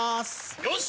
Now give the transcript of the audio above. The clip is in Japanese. よし！